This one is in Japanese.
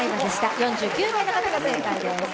４９名の方が正解です。